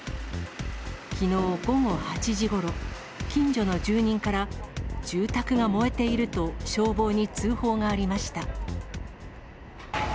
きのう午後８時ごろ、近所の住人から、住宅が燃えていると消防に通報がありました。